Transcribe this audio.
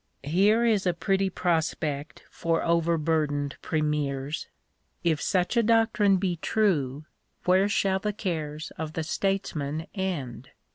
Here is a pretty prospect for overburdened premiers ! If suoh a doctrine be true, where shall the cares of the statesman end